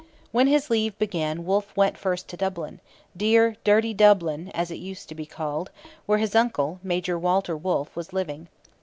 When his leave began Wolfe went first to Dublin 'dear, dirty Dublin,' as it used to be called where his uncle, Major Walter Wolfe, was living.